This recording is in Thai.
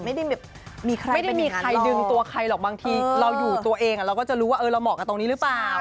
ไม่ได้มีใครดึงตัวใครหรอกบางทีเราอยู่ตัวเองเราก็จะรู้ว่าเราเหมาะกับตรงนี้หรือเปล่า